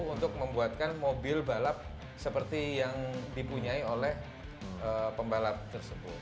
untuk membuatkan mobil balap seperti yang dipunyai oleh pembalap tersebut